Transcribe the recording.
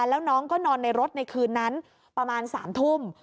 แล้วน้องก็นอนในรถในคืนนั้นประมาณ๓ทุ่ม